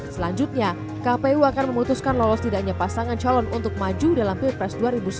selanjutnya kpu akan memutuskan lolos tidak hanya pasangan calon untuk maju dalam pilpres dua ribu sembilan belas